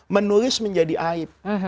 menulis menjadi aib